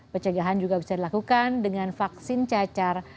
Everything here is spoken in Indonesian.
pencegahan juga bisa dilakukan dengan vaksin cacar